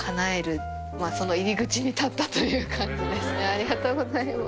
ありがとうございます。